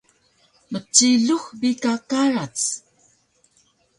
Mcilux bi ka karac